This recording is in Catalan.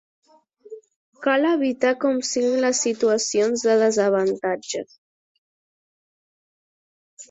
Cal evitar com sigui les situacions de desavantatge.